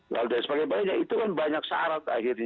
nah dan sebagainya itu kan banyak syarat akhirnya